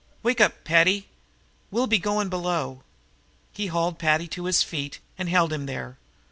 Wake up, Paddy! We'll be goin' below." He hauled Paddy to his feet and held him there.